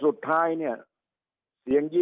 สุดท้ายก็ต้านไม่อยู่